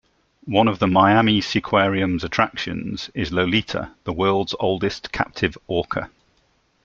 One of the Miami Seaquarium's attractions is Lolita, the world's oldest captive orca.